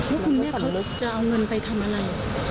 แล้วคุณแม่เขาจะเอาเงินไปทำอะไร